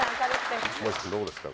どうですか？